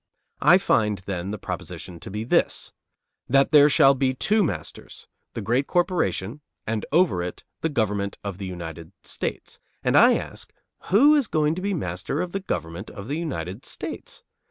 I find, then, the proposition to be this: That there shall be two masters, the great corporation, and over it the government of the United States; and I ask who is going to be master of the government of the United States?